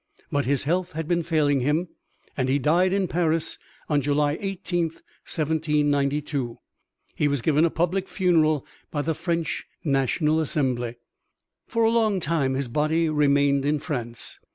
But his health had been failing him and he died in Paris on July 18, 1792. He was given a public funeral by the French National Assembly. For a long time his body remained in France.